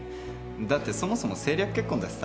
だってそもそも政略結婚だしさ。